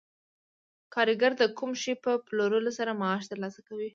کارګر د کوم شي په پلورلو سره معاش ترلاسه کوي